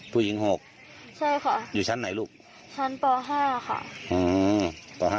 ผู้หญิง๖ใช่ค่ะอยู่ชั้นไหนลูกชั้นป๕ค่ะ